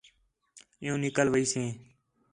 عِیُّوں نِکل ویسیں